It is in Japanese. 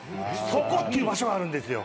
そこっていう場所があるんですよ。